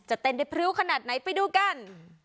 เต้นได้พริ้วขนาดไหนไปดูกัน